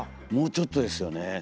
もうちょっとですよね。